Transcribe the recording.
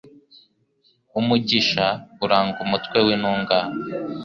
Umugisha uranga umutwe w’intungane